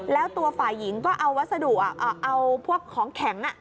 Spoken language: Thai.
แล้วตัวฝ่ายหญิงก็เอาวัสดุเอาพวกของแข็ง